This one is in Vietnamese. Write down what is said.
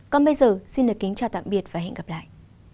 còn bây giờ xin được kính chào tạm biệt và hẹn gặp lại